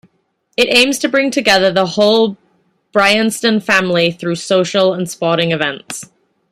It aims to bring together the whole Bryanston family through social and sporting events.